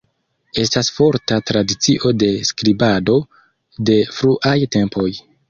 Estas forta tradicio de skribado de fruaj tempoj.